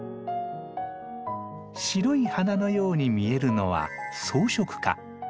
白い花のように見えるのは装飾花。